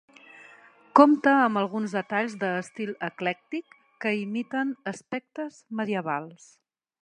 Compta amb alguns detalls d'estil eclèctic que imiten aspectes medievals.